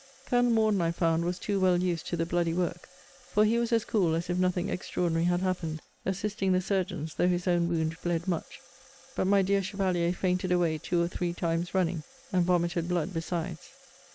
Colonel Morden, I found, was too well used to the bloody work; for he was as cool as if nothing extraordinary had happened, assisting the surgeons, though his own wound bled much. But my dear chevalier fainted away two or three times running, and vomited blood besides.